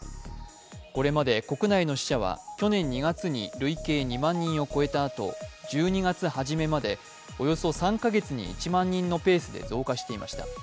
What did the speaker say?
これまで国内の死者は去年２月に累計２万人を越えたあと、１２月初めまでおよそ３か月に１万人のペースで増加していました。